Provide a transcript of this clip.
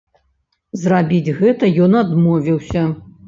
Зрабіць гэта ён адмовіўся.